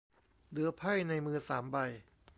เหลือไพ่ในมือสามใบ